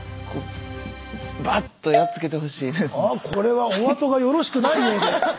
あこれはお後がよろしくないようで。